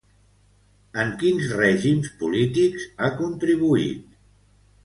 En quins règims polítics ha contribuït?